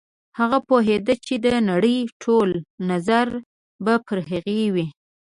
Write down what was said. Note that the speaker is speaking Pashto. هغه پوهېده چې د نړۍ ټول نظر به پر هغې وي.